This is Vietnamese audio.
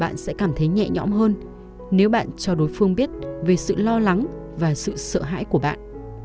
bạn sẽ cảm thấy nhẹ nhõm hơn nếu bạn cho đối phương biết về sự lo lắng và sự sợ hãi của bạn